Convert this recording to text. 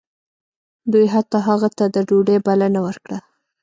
دوی حتی هغه ته د ډوډۍ بلنه ورکړه